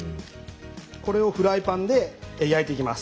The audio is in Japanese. これをフライパンで焼いていきます。